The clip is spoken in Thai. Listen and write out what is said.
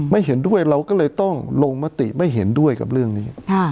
เห็นด้วยเราก็เลยต้องลงมติไม่เห็นด้วยกับเรื่องนี้